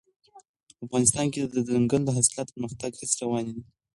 افغانستان کې د دځنګل حاصلات د پرمختګ هڅې روانې دي.